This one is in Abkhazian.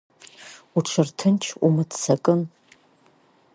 Уҽырҭынч, умыццакын.